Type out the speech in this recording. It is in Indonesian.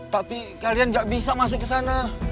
tapi kalian gak bisa masuk ke sana